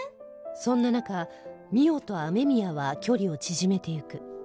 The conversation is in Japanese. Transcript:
そんな中望緒と雨宮は距離を縮めてゆく